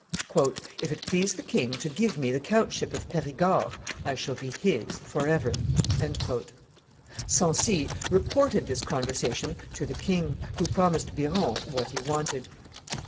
"If it please the king to give me the countship of Perigord, I shall be his forever." Sancy reported this conversation to the king, who promised Biron what he wanted.